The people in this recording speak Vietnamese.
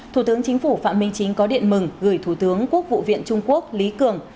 thủ tướng chính phủ phạm minh chính có điện mừng gửi thủ tướng quốc vụ viện trung quốc lý cường